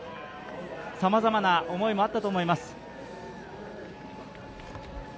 さまざまな思いもあったと思います。